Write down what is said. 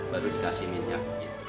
baru dikasih minyak